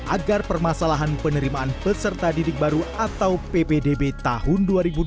agar permasalahan penerimaan peserta didik baru atau ppdb tahun dua ribu dua puluh